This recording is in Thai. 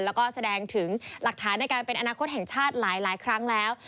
แล้วก็แสดงถึงหลักฐานในการเป็นอนาคตแห่งชาติหลายครั้งแล้ว